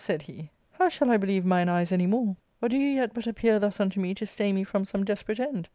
said he, "how shall I believe mine eyes any more? Or do you yet but 350 ARCADIA. ^Book III. appear thus unto me to stay me from some desperate end